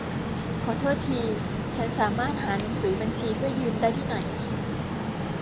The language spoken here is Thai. ขอโทษที ฉันสามารถหาหนังสือบัญชีเพื่อยืมได้ที่ไหน ?